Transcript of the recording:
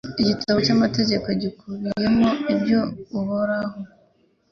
ni igitabo cy’Amategeko gikubiyemo ibyo Uhoraho